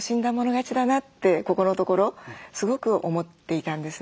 勝ちだなってここのところすごく思っていたんですね。